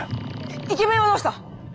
イケメンはどうした？